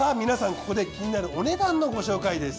ここで気になるお値段のご紹介です。